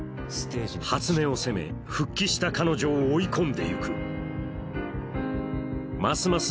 初音を責め復帰した彼女を追い込んでゆくますます